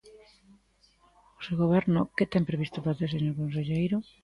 O seu goberno ¿que ten previsto facer, señor conselleiro?